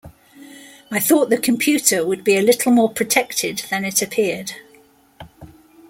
I thought the computer would be a little more protected than it appeared.